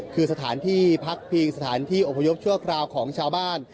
คือสถานที่พักพิงสถานที่อพยพชั่วคราวของชาวบ้าน